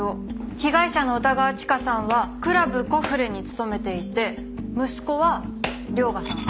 被害者の歌川チカさんはクラブコフレに勤めていて息子は涼牙さん。